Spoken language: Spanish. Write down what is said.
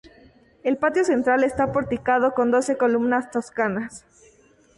El patio central está porticado con doce columnas toscanas.